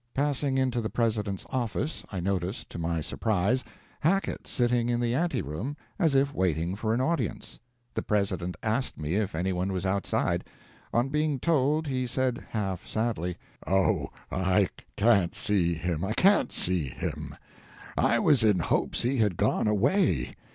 Passing into the President's office, I noticed, to my surprise, Hackett sitting in the anteroom as if waiting for an audience. The President asked me if any one was outside. On being told, he said, half sadly, "Oh, I can't see him, I can't see him; I was in hopes he had gone away."